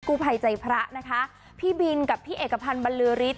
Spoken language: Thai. ผู้ภัยใจพระนะคะพี่บินกับพี่เอกพันธ์บรรลือฤทธ